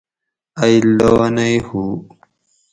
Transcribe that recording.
ائ لونئ ہُو